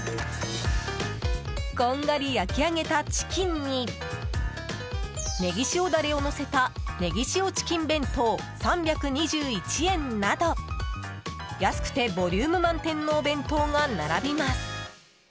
こんがり焼き上げたチキンにねぎ塩ダレをのせたねぎ塩チキン弁当、３２１円など安くてボリューム満点のお弁当が並びます。